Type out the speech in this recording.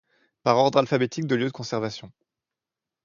Par ordre alphabétique de lieu de conservation.